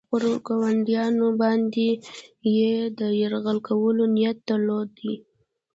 پر خپلو ګاونډیانو باندې یې د یرغل کولو نیت درلودلی دی.